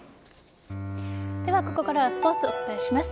ここからはスポーツお伝えします。